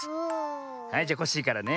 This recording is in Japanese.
はいじゃコッシーからね。